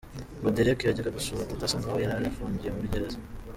Ngo Derek yajyaga gusura Teta Sandra aho yari afungiye muri gereza.